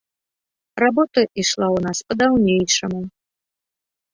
Работа ішла ў нас па-даўнейшаму.